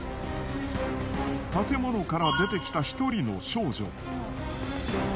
建物から出てきた一人の少女。